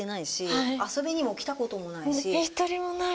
１人もない。